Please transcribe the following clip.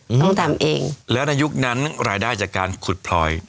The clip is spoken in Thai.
ต้องทำเองแล้วในยุคนั้นรายได้จากการขุดพลอย